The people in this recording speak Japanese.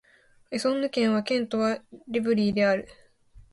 エソンヌ県の県都はエヴリーである